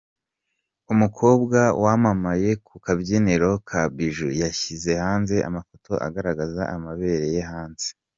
Umukobwa wamamaye ku kabyiniro ka Bijoux yashyize hanze amafoto agaragaza amabere ye hanze.